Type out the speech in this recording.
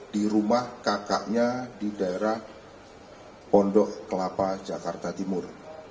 di rumah kakaknya di daerah pondok kelapa jakarta timur